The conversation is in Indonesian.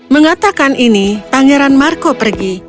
mengatakan ini pangeran marco pergi